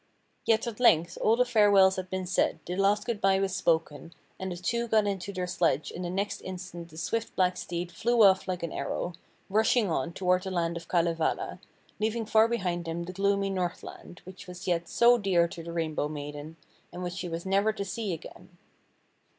Yet at length all the farewells had been said, the last goodbye was spoken, and the two got into their sledge and the next instant the swift black steed flew off like an arrow, rushing on toward the land of Kalevala, leaving far behind them the gloomy Northland, which was yet so dear to the Rainbow maiden, and which she was never to see again.